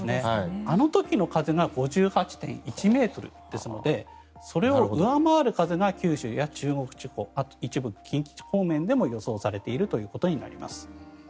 あの時の風が５８．１ｍですのでそれを上回る風が九州や中国地方あと一部、近畿方面でも予想されているということになります。